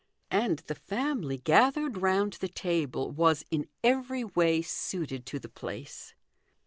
And the family gathered round the table was in every way suited to the place.